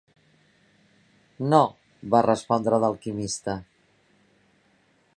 "No", va respondre d'alquimista.